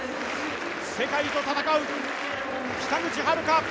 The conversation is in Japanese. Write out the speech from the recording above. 世界と戦う北口榛花。